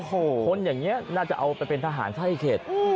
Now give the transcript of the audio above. คนอย่างนี้น่าจะเอาไปเป็นทหารไส้เข็ด